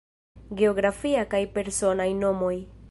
Geografiaj kaj personaj nomoj.